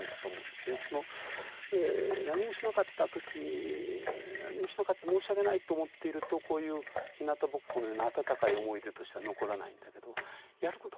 何もしなかった時何もしなかった申し訳ないと思っているとこういう「ひなたぼっこ」のような温かい思い出としては残らないんだけどやること